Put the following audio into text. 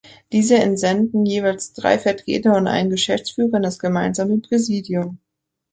Diese entsenden jeweils drei Vertreter und einen Geschäftsführer in das gemeinsame Präsidium.